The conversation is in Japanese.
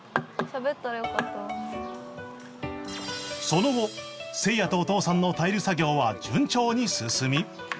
その後せいやとお父さんのタイル作業は順調に進み